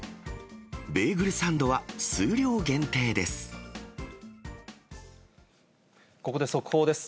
ベーグルサンドは数量限定でここで速報です。